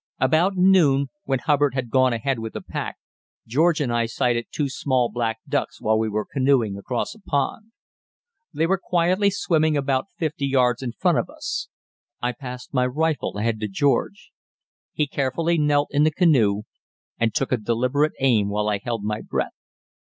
About noon, when Hubbard had gone ahead with a pack, George and I sighted two small black ducks while we were canoeing across a pond. They were quietly swimming about fifty yards in front of us. I passed my rifle ahead to George. He carefully knelt in the canoe, and took a deliberate aim while I held my breath.